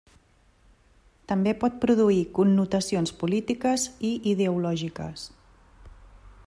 També pot produir connotacions polítiques i ideològiques.